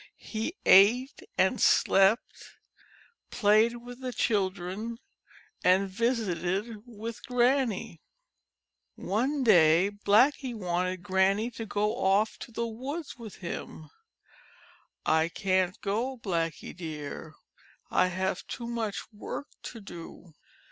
He ate and slept, played with the children, and vis ited with Granny. One day Blackie wanted Granny to go off to the woods with him. 77 GRANNY'S BLACKIE "I can't go, Blackie, dear. I have too much work to do."